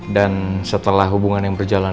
dan setelah hubungan yang berjalan